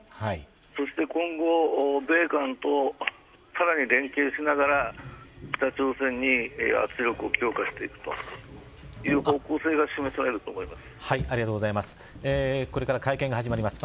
そして今後、米韓とさらに連携しながら北朝鮮に圧力を強化してという方向性がありがとうございます。